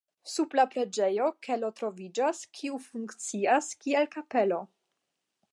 Sub la preĝejo kelo troviĝas, kiu funkcias, kiel kapelo.